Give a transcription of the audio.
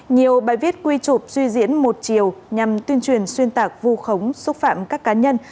nhiều bài viết quy trụp duy diễn một chiều nhằm tuyên truyền xuyên tạc vô khống xúc phạm các cá nhân